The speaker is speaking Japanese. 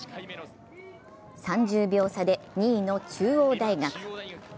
３０秒差で２位の中央大学。